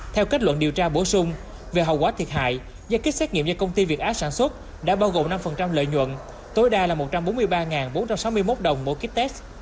theo kết luận điều tra bổ sung về hậu quả thiệt hại giá kích xét nghiệm do công ty việt á sản xuất đã bao gồm năm lợi nhuận tối đa là một trăm bốn mươi ba bốn trăm sáu mươi một đồng mỗi kích test